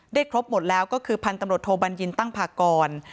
ครบหมดแล้วก็คือพันธุ์ตำรวจโทบัญญินตั้งพากร